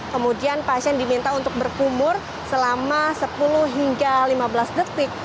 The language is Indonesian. kemudian pasien diminta untuk berkumur selama sepuluh hingga lima belas detik